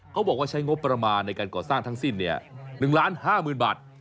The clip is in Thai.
เขาบอกว่าใช้งบประมาณในการก่อสร้างทั้งสิ้น๑๕๐๐๐บาท